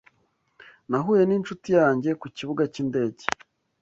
Nahuye n'inshuti yanjye ku kibuga cy'indege.